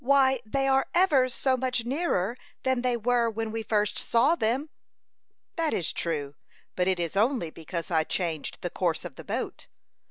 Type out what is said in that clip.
"Why, they are ever so much nearer than they were when we first saw them." "That is true; but it is only because I changed the course of the boat."